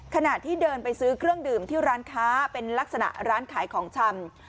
ขณะที่เดินไปซื้อเครื่องดื่มที่ร้านค้าเป็นลักษณะร้านขายของชำ